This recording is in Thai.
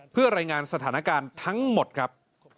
เพื่อรายงานสถานการณ์ทั้งหมดครับ